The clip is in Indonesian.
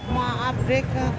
maaf zek kakak